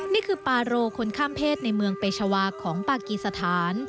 นี่คือปาโรคนข้ามเพศในเมืองเปชาวาของปากีสถาน